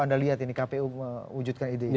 anda lihat ini kpu mewujudkan ide ini